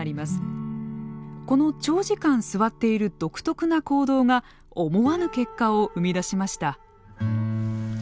この長時間座っている独特な行動が思わぬ結果を生み出しました。